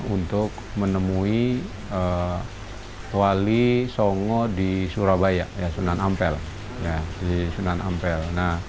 untuk menemui wali songo di surabaya sunan ampel